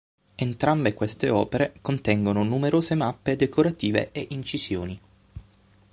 Entrambe queste opere contengono numerose mappe decorative e incisioni.